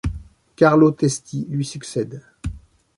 Carlo Testi lui succède.